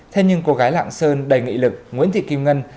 thế nhưng cô gái lạng sơn đầy nghị lực nguyễn thị kim ngân